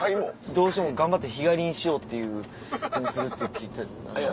どうしても頑張って日帰りにしようっていうふうにするって聞いてた。